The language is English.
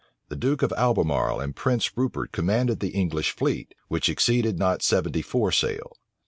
The duke of Albemarle and Prince Rupert commanded the English fleet, which exceeded not seventy four sail.